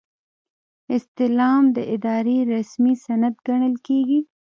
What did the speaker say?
استعلام د ادارې رسمي سند ګڼل کیږي.